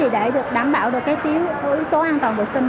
để đảm bảo được cái yếu tố an toàn vệ sinh